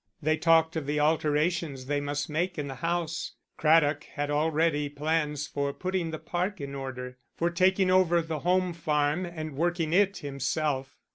They talked of the alterations they must make in the house, Craddock had already plans for putting the park in order, for taking over the Home Farm and working it himself.